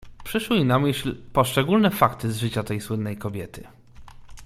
"Przyszły mi na myśl poszczególne fakty z życia tej słynnej kobiety."